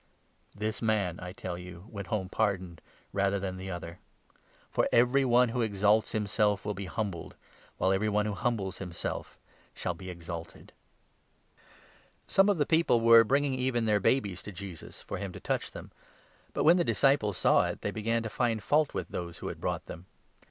This man, I tell you, went home pardoned, rather than the 14 other ; for every one who exalts himself will be humbled, while every one who humbles himself shall be exalted." Some of the people were bringing even their ic Jesus blesses .,. T *>'».',,° little babies to Jesus, for him to touch them ; but, when Children, the disciples saw it, they began to find fault with those who had brought them.